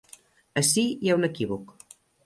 Ací hi ha un equívoc.